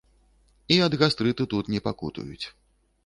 І ад гастрыту тут не пакутуюць.